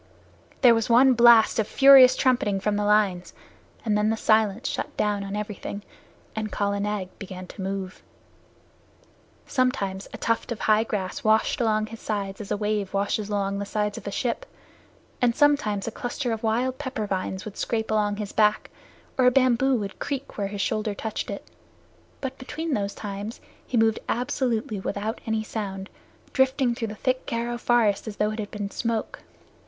There was one blast of furious trumpeting from the lines, and then the silence shut down on everything, and Kala Nag began to move. Sometimes a tuft of high grass washed along his sides as a wave washes along the sides of a ship, and sometimes a cluster of wild pepper vines would scrape along his back, or a bamboo would creak where his shoulder touched it. But between those times he moved absolutely without any sound, drifting through the thick Garo forest as though it had been smoke.